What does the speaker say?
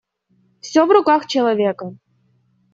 Всё в руках человека.